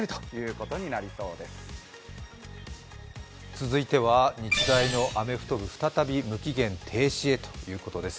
続いては日大のアメフト部、再び無期限停止へということです。